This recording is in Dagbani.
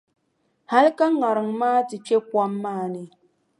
Hali ka ŋariŋ maa ti kpe kom maa ni.